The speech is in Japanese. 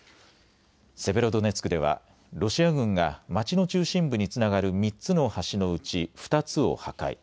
セベロドネツクではロシア軍が街の中心部につながる３つの橋のうち、２つを破壊。